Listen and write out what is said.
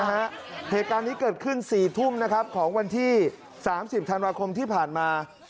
เหตุการณ์นี้เกิดขึ้น๔ทุ่มนะครับของวันที่๓๐ธันวาคมที่ผ่านมา